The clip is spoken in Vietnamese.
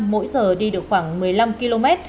mỗi giờ đi được khoảng một mươi năm km